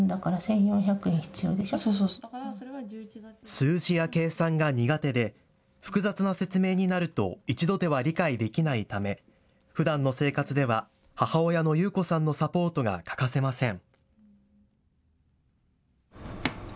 数字や計算が苦手で複雑な説明になると一度では理解できないためふだんの生活では母親の裕子さんのサポートが欠かせません。